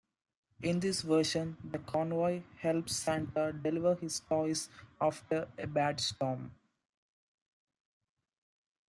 In this version, the convoy helps Santa deliver his toys after a bad storm.